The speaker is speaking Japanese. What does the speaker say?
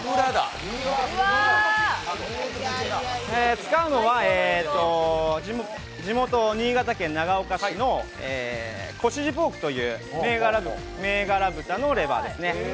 使うのは地元・新潟県長岡市のこしじポークという銘柄豚のレバーですね。